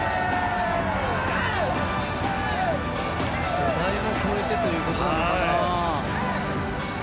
世代も超えてということかな。